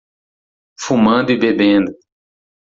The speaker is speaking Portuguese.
Fumando e bebendo